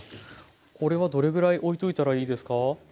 これはどれぐらいおいといたらいいですか？